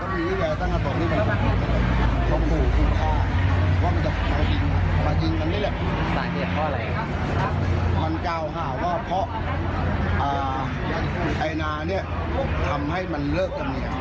มันก้าวห่าว่าเพราะไอ้นาทำให้มันเลิกตรงนี้